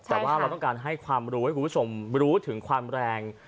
แต่ว่าเราต้องการให้ความรู้ให้คุณผู้ชมรู้ถึงความแรง